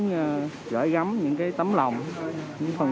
và có những khó khăn